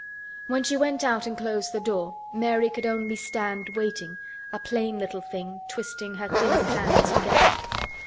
When she went out and closed the door, Mary could only stand waiting, a plain little thing, twisting her thin hands together.